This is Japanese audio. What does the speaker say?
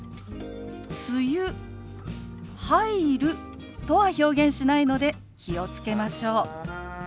「梅雨入る」とは表現しないので気を付けましょう。